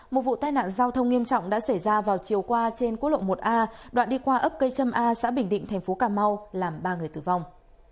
một vụ tai nạn giao thông nghiêm trọng đã xảy ra vào chiều qua trên quốc lộ một a đoạn đi qua ấp cây trâm a xã bình định thành phố cà mau làm ba người tử vong